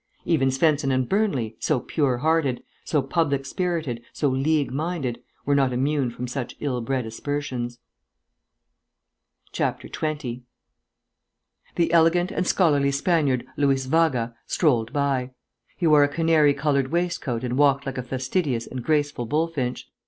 Even Svensen and Burnley, so pure hearted, so public spirited, so League minded, were not immune from such ill bred aspersions. 20 The elegant and scholarly Spaniard, Luiz Vaga, strolled by. He wore a canary coloured waistcoat and walked like a fastidious and graceful bullfinch.